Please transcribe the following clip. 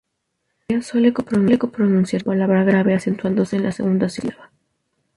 Pilia suele pronunciarse como palabra grave, acentuándose en la segunda sílaba.